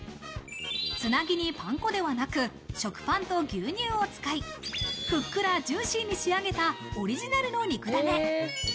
つなぎにパン粉ではなく食パンと牛乳を使い、ふっくらジューシーに仕上げた、オリジナルの肉ダネ。